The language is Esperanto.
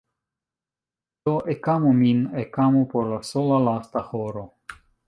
Do ekamu min, ekamu por la sola lasta horo.